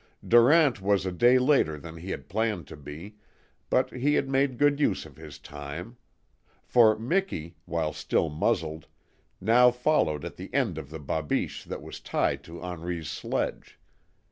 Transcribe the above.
Durant was a day later than he had planned to be, but he had made good use of his time. For Miki, while still muzzled, now followed at the end of the babiche that was tied to Henri's sledge.